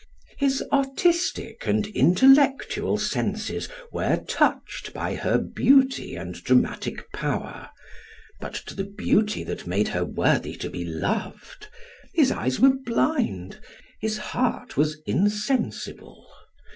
His artistic and intellectual senses were touched by her beauty and dramatic power, but to the beauty that made her worthy to be loved, his eyes were blind, his heart was insensible.